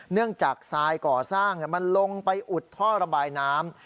เนื่องจากทรายก่อสร้างมันลงไปอุดท่อระบายน้ำ